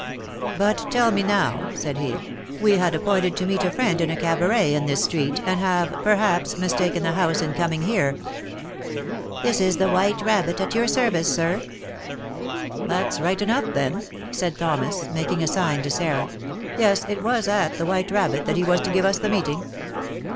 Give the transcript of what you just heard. "But tell me, now," said he; "we had appointed to meet a friend in a cabaret in this street, and have, perhaps, mistaken the house in coming here." "This is the 'White Rabbit,' at your service, sir." "That's right enough, then," said Thomas, making a sign to Sarah; "yes, it was at the 'White Rabbit' that he was to give us the meeting."